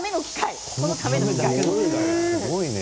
すごいね。